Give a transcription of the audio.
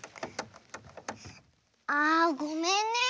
あごめんね。